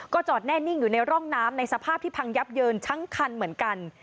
จอดแน่นิ่งอยู่ในร่องน้ำในสภาพที่พังยับเยินทั้งคันเหมือนกัน